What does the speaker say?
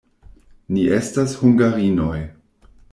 Ni estas hungarinoj.